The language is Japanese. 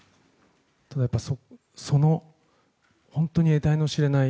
ただ、その本当に得体のしれない